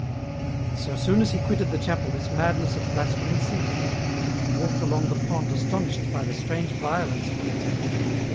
234 EN ROUTE. And so soon as he quitted the chapel this madness of blasphemy ceased ; he walked along the pond astonished by the strange violence of the attack.